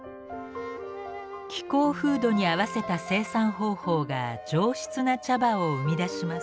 気候風土に合わせた生産方法が上質な茶葉を生み出します。